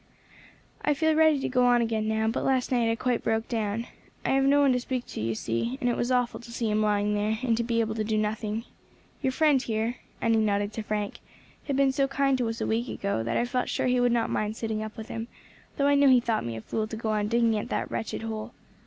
"I feel ready to go on again now; but last night I quite broke down. I have no one to speak to, you see, and it was awful to see him lying there, and to be able to do nothing. Your friend here," and he nodded to Frank, "had been so kind to us a week ago, that I felt sure he would not mind sitting up with him, though I know he thought me a fool to go on digging at that wretched hole.